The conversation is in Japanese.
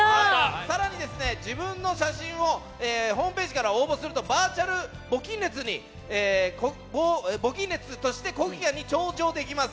さらに、自分の写真をホームページから応募すると、バーチャル募金列として国技館に登場できます。